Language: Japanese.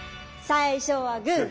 最初はグー。